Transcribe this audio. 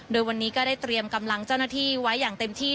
โดยวันนี้ก็ได้เตรียมกำลังเจ้าหน้าที่ไว้อย่างเต็มที่